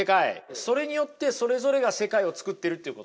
それによってそれぞれが世界をつくってるっていうことです。